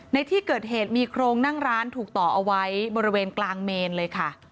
ในที่เกิดเหตุมีโครงนั่งร้านถูกต่อเอาไว้บริเวณกลางเมนเลยค่ะ